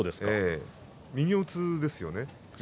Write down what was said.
右四つですよね。